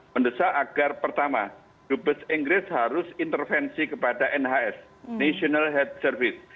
mendesak agar pertama dubes inggris harus intervensi kepada nhs national health service